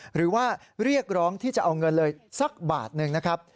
หรือว่าเรียกร้องที่จะเอาเงินเลยสักบาทหนึ่งนะครับ